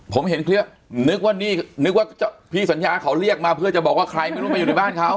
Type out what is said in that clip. ผมเห็นคลิปนึกว่านี่นึกว่าพี่สัญญาเขาเรียกมาเพื่อจะบอกว่าใครไม่รู้มาอยู่ในบ้านเขา